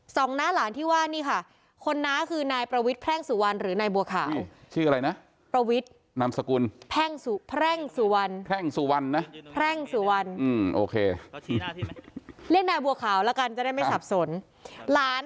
สองน้าหลานที่ว่านี่ค่ะคนน้าคือนายประวิทแพร่งสุวรรณหรือนายบัวขาว